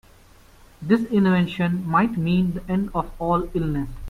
This invention might mean the end of all illness.